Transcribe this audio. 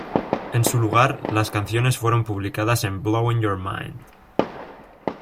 En su lugar, las canciones fueron publicadas en "Blowin' Your Mind!